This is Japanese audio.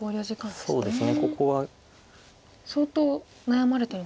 そうですね。